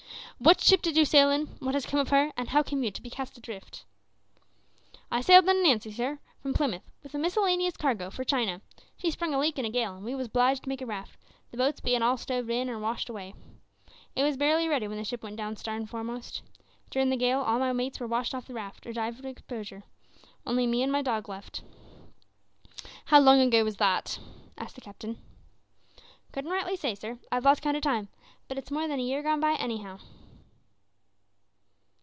"What ship did you sail in, what has come of her, and how came you to be cast adrift?" "I sailed in the Nancy, sir, from Plymouth, with a miscellaneous cargo for China. She sprung a leak in a gale, and we was 'bliged to make a raft, the boats bein' all stove in or washed away. It was barely ready when the ship went down starn foremost. Durin' the gale all my mates were washed off the raft or died of exposure; only me and my dog left." "How long ago was that?" asked the captain. "Couldn't rightly say, sir, I've lost count o' time, but it's more than a year gone by anyhow."